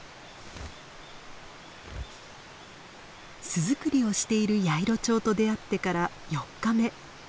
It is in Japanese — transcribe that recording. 巣作りをしているヤイロチョウと出会ってから４日目。